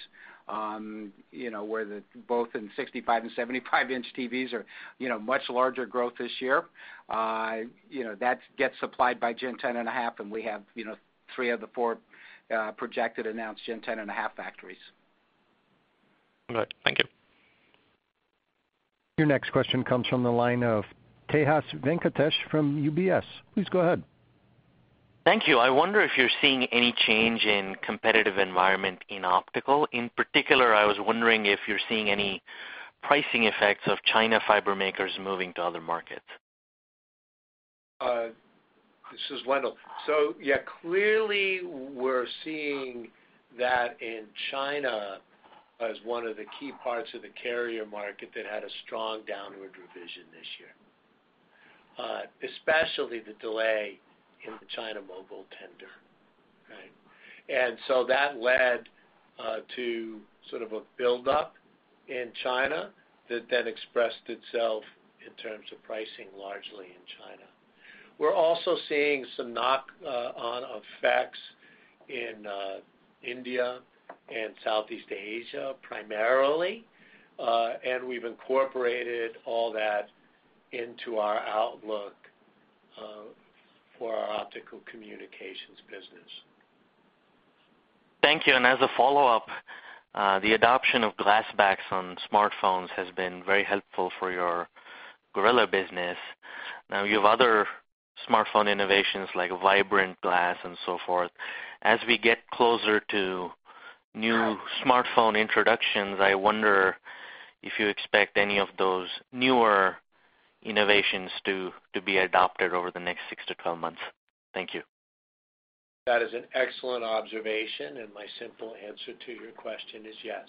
where both in 65 and 75-inch TVs are much larger growth this year, that gets supplied by Gen 10.5, and we have three of the four projected announced Gen 10.5 factories. All right. Thank you. Your next question comes from the line of Tejas Venkatesh from UBS. Please go ahead. Thank you. I wonder if you're seeing any change in competitive environment in Optical. In particular, I was wondering if you're seeing any pricing effects of China fiber makers moving to other markets. This is Wendell. Yeah, clearly we're seeing that in China as one of the key parts of the carrier market that had a strong downward revision this year, especially the delay in the China Mobile tender. Right? That led to sort of a build-up in China that then expressed itself in terms of pricing largely in China. We're also seeing some knock-on effects in India and Southeast Asia primarily. We've incorporated all that into our outlook for our Optical Communications business. Thank you. As a follow-up, the adoption of glass backs on smartphones has been very helpful for your Gorilla business. Now you have other smartphone innovations like Vibrant Glass and so forth. As we get closer to new smartphone introductions, I wonder if you expect any of those newer innovations to be adopted over the next six to 12 months? Thank you. That is an excellent observation, and my simple answer to your question is yes.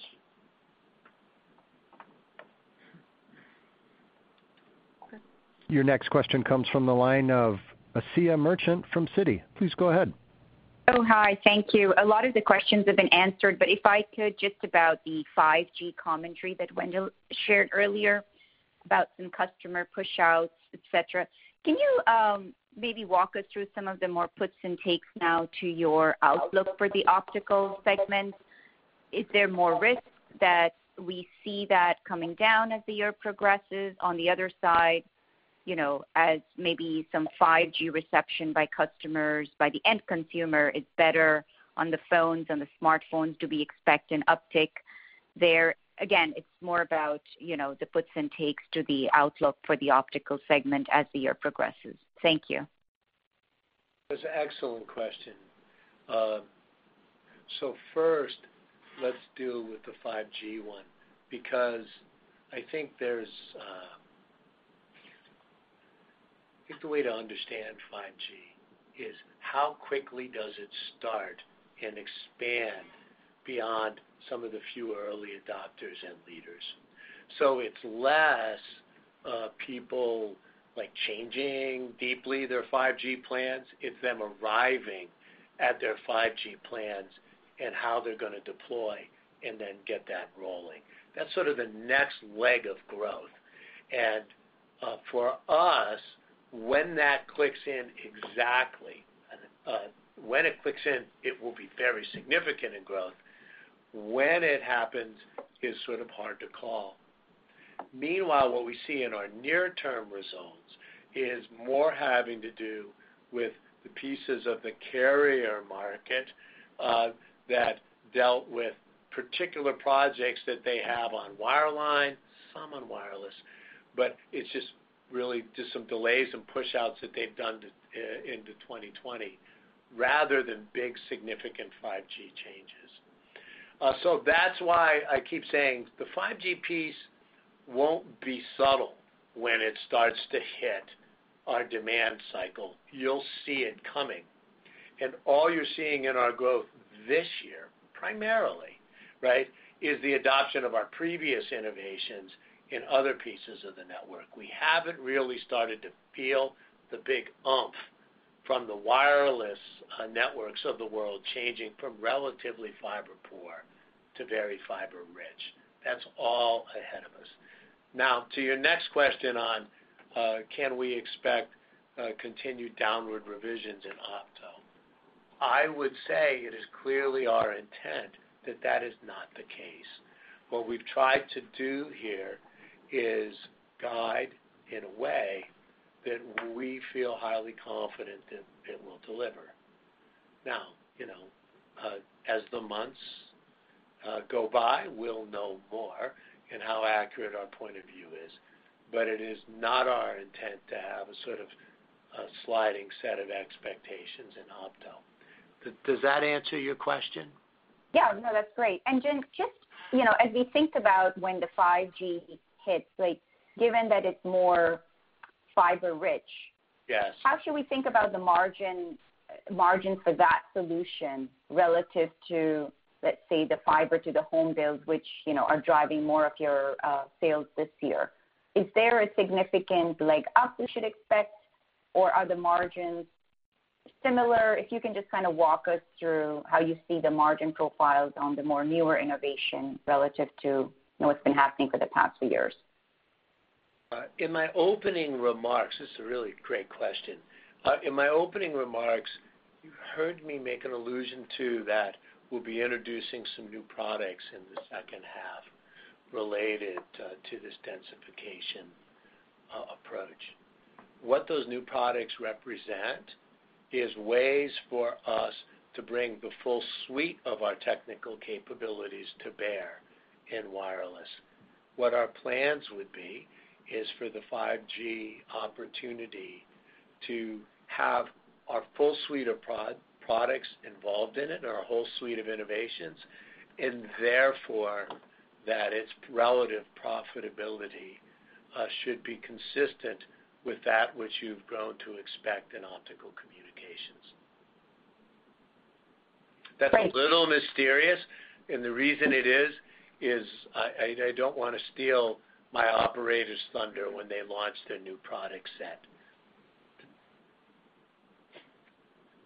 Your next question comes from the line of Asiya Merchant from Citi. Please go ahead. Oh, hi. Thank you. A lot of the questions have been answered, but if I could just about the 5G commentary that Wendell shared earlier about some customer pushouts, et cetera. Can you maybe walk us through some of the more puts and takes now to your outlook for the Optical Communications segment? Is there more risk that we see that coming down as the year progresses? On the other side, as maybe some 5G reception by customers, by the end consumer, it's better on the phones, on the smartphones. Do we expect an uptick there? Again, it's more about the puts and takes to the outlook for the Optical Communications segment as the year progresses. Thank you. That's an excellent question. First, let's deal with the 5G one, because I think the way to understand 5G is how quickly does it start and expand beyond some of the few early adopters and leaders. It's less people changing deeply their 5G plans. It's them arriving at their 5G plans and how they're going to deploy and then get that rolling. That's sort of the next leg of growth. For us, when that clicks in exactly, when it clicks in, it will be very significant in growth. When it happens is sort of hard to call. What we see in our near-term results is more having to do with the pieces of the carrier market that dealt with particular projects that they have on wireline, some on wireless, but it's just really some delays and pushouts that they've done into 2020 rather than big, significant 5G changes. That's why I keep saying the 5G piece won't be subtle when it starts to hit our demand cycle. You'll see it coming. All you're seeing in our growth this year, primarily, is the adoption of our previous innovations in other pieces of the network. We haven't really started to feel the big oomph from the wireless networks of the world changing from relatively fiber poor to very fiber rich. That's all ahead of us. To your next question on can we expect continued downward revisions in opto. I would say it is clearly our intent that that is not the case. What we've tried to do here is guide in a way that we feel highly confident that it will deliver. As the months go by, we'll know more in how accurate our point of view is. It is not our intent to have a sort of sliding set of expectations in Opto. Does that answer your question? Yeah, no, that's great. Just as we think about when the 5G hits, given that it's more fiber rich. Yes How should we think about the margin for that solution relative to, let's say, the fiber-to-the-home builds, which are driving more of your sales this year? Is there a significant leg up we should expect, or are the margins similar? If you can just kind of walk us through how you see the margin profiles on the more newer innovation relative to what's been happening for the past few years. It's a really great question. In my opening remarks, you heard me make an allusion to that we'll be introducing some new products in the second half related to this densification approach. What those new products represent is ways for us to bring the full suite of our technical capabilities to bear in wireless. What our plans would be is for the 5G opportunity to have our full suite of products involved in it and our whole suite of innovations, and therefore, that its relative profitability should be consistent with that which you've grown to expect in Optical Communications. Great. That's a little mysterious, and the reason it is, I don't want to steal my operators' thunder when they launch their new product set.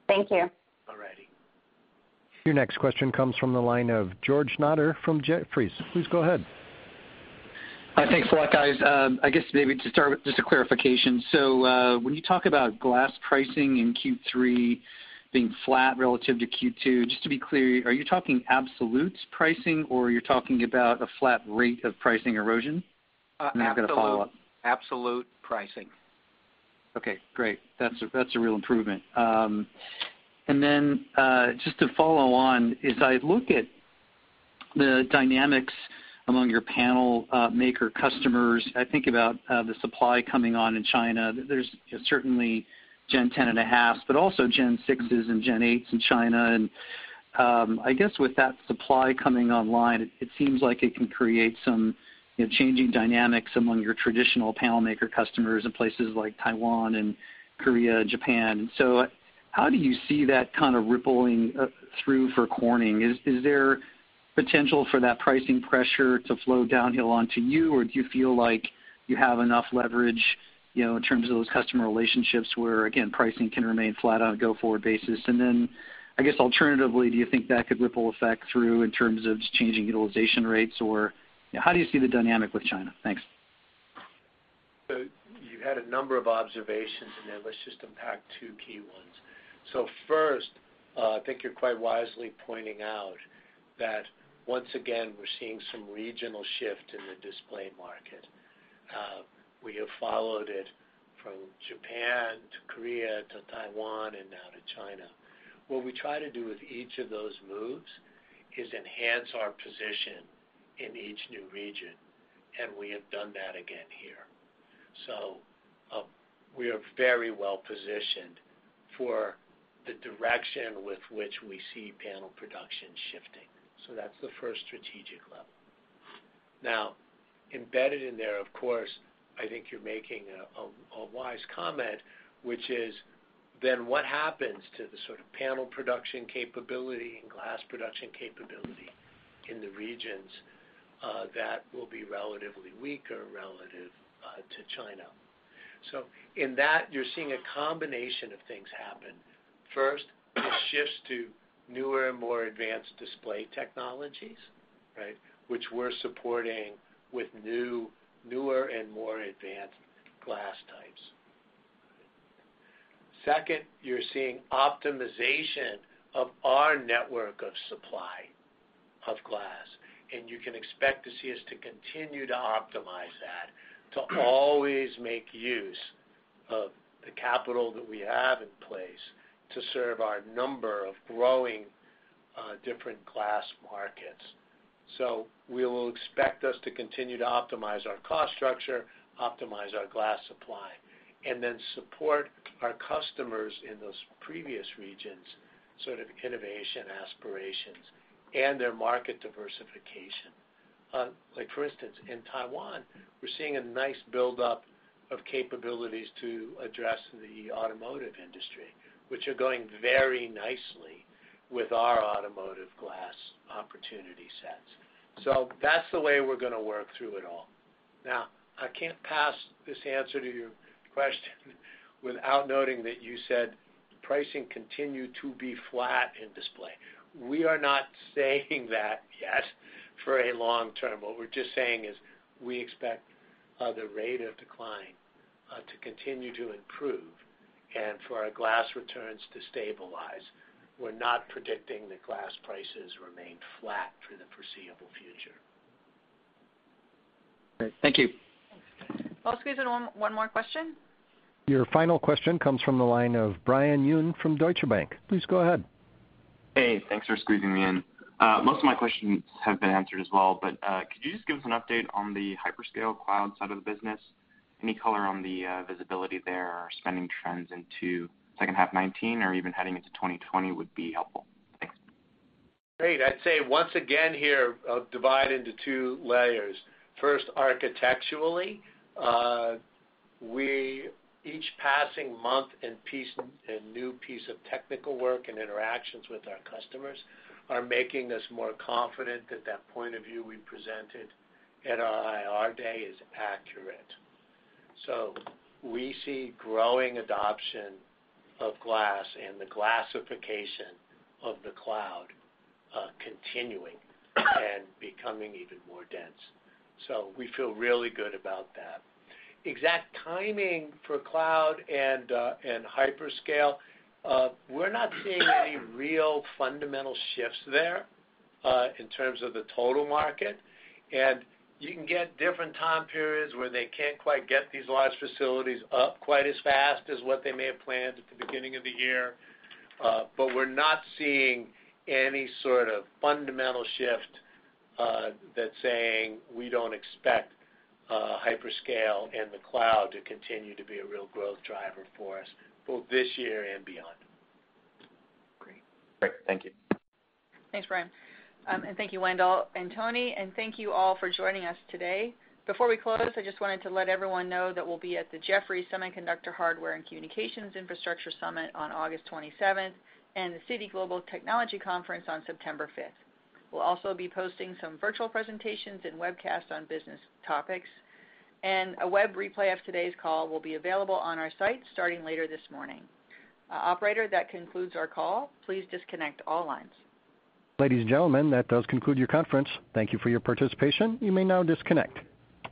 Thank you. All righty. Your next question comes from the line of George Notter from Jefferies. Please go ahead. Thanks a lot, guys. I guess maybe to start with just a clarification. When you talk about glass pricing in Q3 being flat relative to Q2, just to be clear, are you talking absolutes pricing or you're talking about a flat rate of pricing erosion? I've got a follow-up. Absolute pricing. Okay, great. That's a real improvement. Just to follow on, as I look at the dynamics among your panel maker customers, I think about the supply coming on in China. There's certainly Gen 10.5s, but also Gen 6s and Gen 8s in China. I guess with that supply coming online, it seems like it can create some changing dynamics among your traditional panel maker customers in places like Taiwan and Korea and Japan. How do you see that kind of rippling through for Corning? Is there potential for that pricing pressure to flow downhill onto you, or do you feel like you have enough leverage in terms of those customer relationships where, again, pricing can remain flat on a go-forward basis? I guess alternatively, do you think that could ripple effect through in terms of changing utilization rates? How do you see the dynamic with China? Thanks. You had a number of observations in there. Let's just unpack two key ones. First, I think you're quite wisely pointing out that once again, we're seeing some regional shift in the display market. We have followed it from Japan to Korea to Taiwan and now to China. What we try to do with each of those moves is enhance our position in each new region, and we have done that again here. We are very well positioned for the direction with which we see panel production shifting. That's the first strategic level. Now, embedded in there, of course, I think you're making a wise comment, which is, then what happens to the sort of panel production capability and glass production capability in the regions that will be relatively weaker relative to China? In that, you're seeing a combination of things happen. It shifts to newer and more advanced display technologies, right, which we're supporting with newer and more advanced glass types. You're seeing optimization of our network of supply of glass, and you can expect to see us to continue to optimize that, to always make use of the capital that we have in place to serve our number of growing different glass markets. We will expect us to continue to optimize our cost structure, optimize our glass supply, support our customers in those previous regions, sort of innovation aspirations and their market diversification. Like for instance, in Taiwan, we're seeing a nice buildup of capabilities to address the automotive industry, which are going very nicely with our automotive glass opportunity sets. That's the way we're going to work through it all. I can't pass this answer to your question without noting that you said pricing continued to be flat in Display. We are not saying that yet for a long term. What we're just saying is we expect the rate of decline to continue to improve and for our glass returns to stabilize. We're not predicting that glass prices remain flat for the foreseeable future. Great. Thank you. Thanks. I'll squeeze in one more question. Your final question comes from the line of Brian Yun from Deutsche Bank. Please go ahead. Hey, thanks for squeezing me in. Most of my questions have been answered as well. Could you just give us an update on the hyperscale cloud side of the business? Any color on the visibility there or spending trends into second half 2019 or even heading into 2020 would be helpful. Thanks. Great. I'd say once again here, I'll divide into two layers. First, architecturally, each passing month and new piece of technical work and interactions with our customers are making us more confident that that point of view we presented at our IR day is accurate. We see growing adoption of glass and the glassification of the cloud continuing and becoming even more dense. We feel really good about that. Exact timing for cloud and hyperscale, we're not seeing any real fundamental shifts there, in terms of the total market. You can get different time periods where they can't quite get these large facilities up quite as fast as what they may have planned at the beginning of the year. We're not seeing any sort of fundamental shift that's saying we don't expect hyperscale and the cloud to continue to be a real growth driver for us both this year and beyond. Great. Thank you. Thanks, Brian. Thank you, Wendell and Tony, and thank you all for joining us today. Before we close, I just wanted to let everyone know that we'll be at the Jefferies Semiconductor, Hardware, and Communications Infrastructure Summit on August 27th and the Citi Global Technology Conference on September 5th. We'll also be posting some virtual presentations and webcasts on business topics. A web replay of today's call will be available on our site starting later this morning. Operator, that concludes our call. Please disconnect all lines. Ladies and gentlemen, that does conclude your conference. Thank you for your participation. You may now disconnect.